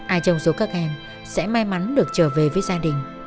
ai trong số các em sẽ may mắn được trở về với gia đình